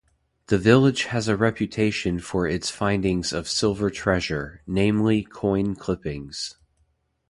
The village has a reputation for its findings of silver treasure, namely coin clippings.